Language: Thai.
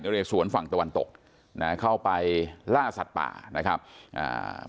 เรสวนฝั่งตะวันตกนะเข้าไปล่าสัตว์ป่านะครับอ่า